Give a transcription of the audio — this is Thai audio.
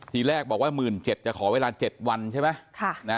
ทีแรกบอกว่า๑๗๐๐จะขอเวลา๗วันใช่ไหม